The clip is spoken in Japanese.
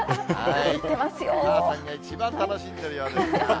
お母さんが一番楽しんでいるようですが。